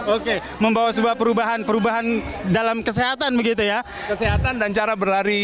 oke membawa sebuah perubahan dalam kesehatan begitu ya